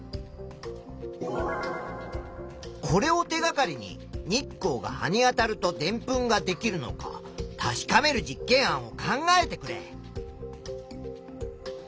これを手がかりに日光が葉にあたるとでんぷんができるのか確かめる実験案を考えてくれ。